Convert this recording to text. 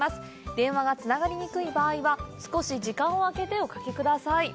電話がつながりにくい場合は、少し時間をあけて、おかけください。